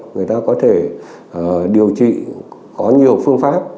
người ta có thể điều trị có nhiều phương pháp